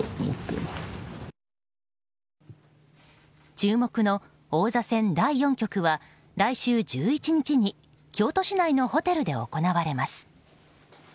注目の王座戦第４局は来週１１日に京都市内のホテルで行われます。